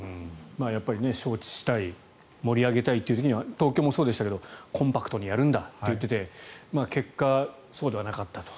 やっぱり招致したい盛り上げたいというふうには東京もそうでしたがコンパクトにやるんだと言ってて結果、そうではなかったと。